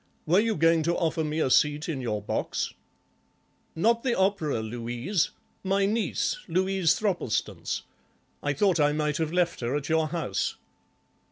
Were you going to offer me a seat in your box?" "Not the opera 'Louise'—my niece, Louise Thropplestance. I thought I might have left her at your house."